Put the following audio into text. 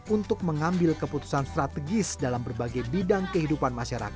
untuk mengambil keputusan strategis dalam berbagai bidang kehidupan masyarakat